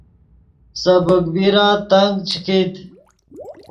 سبیک بیرا تنگ چے کیت